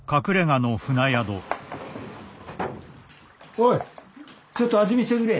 おいちょっと味見してくれ。